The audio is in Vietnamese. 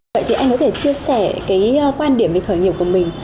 vậy thì anh có thể chia sẻ cái quan điểm về khởi nghiệp của mình